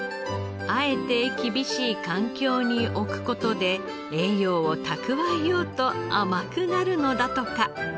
あえて厳しい環境に置く事で栄養を蓄えようと甘くなるのだとか。